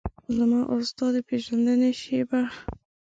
زما او ستا د پیژندنې شیبه